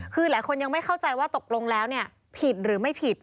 คือหลายคนยังไม่เข้าใจว่าตกลงแล้วผิดหรือไม่ผิด